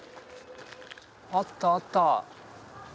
あったあった。